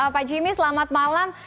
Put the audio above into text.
pak jimmy selamat malam